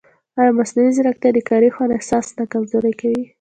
ایا مصنوعي ځیرکتیا د کاري خوند احساس نه کمزورې کوي؟